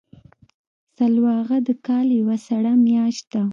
سلواغه د کال یوه سړه میاشت ده.